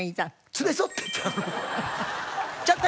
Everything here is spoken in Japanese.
「連れ添って」って。